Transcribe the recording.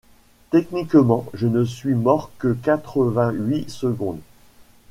Techniquement, je ne suis mort que quatre-vingt-huit secondes.